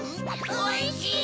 おいしい！